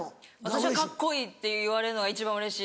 私はカッコいいって言われるのが一番うれしい。